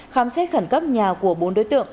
khám xét khẩn cấp nhà của bốn đối tượng